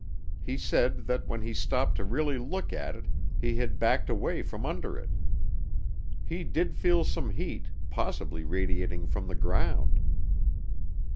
He said that when he stopped to really look at it he had backed away from under it. He did feel some heat, possibly radiating from the ground.